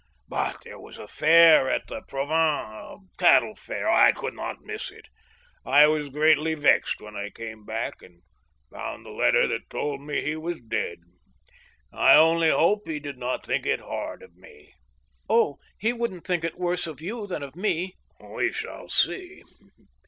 But there was a fair at Provins — a cattle fair. I could not miss it. I was greatly vexed when I came THE OVERTURE. 9 back and found the letter that told me he was dead. ... I only hope he did not think it hard of me." " Oh ! he wouldn't think it worse of you than of me." We shall see.